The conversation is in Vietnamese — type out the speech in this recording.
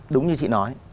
đúng như chị nói